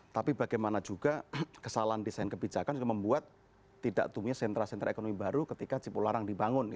tapi bagaimana juga kesalahan desain kebijakan itu membuat tidak dumia sentra sentra ekonomi baru ketika cipu larang dibangun